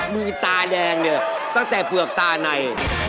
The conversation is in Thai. มือตาแดงเนี่ยตั้งแต่เผือกตาใน